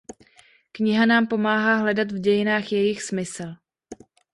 Kniha nám pomáhá hledat v dějinách jejich smysl.